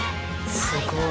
すごい。